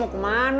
bukan urusan lo